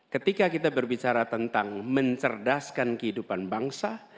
ketika kita berbicara tentang mencerdaskan kehidupan bangsa